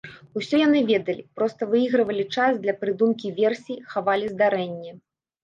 Усё яны ведалі, проста выйгравалі час для прыдумкі версій, хавалі здарэнне.